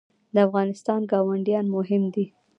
د افغانستان ګاونډیان مهم دي